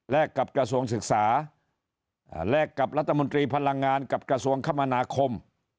และกับกระทรวงศึกษาแลกกับรัฐมนตรีพลังงานกับกระทรวงคมนาคม